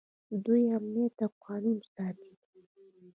دوی امنیت او قانون ساتي.